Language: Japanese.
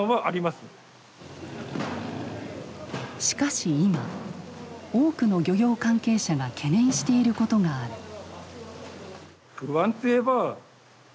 しかし今多くの漁業関係者が懸念していることがある。